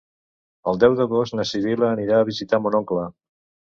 El deu d'agost na Sibil·la anirà a visitar mon oncle.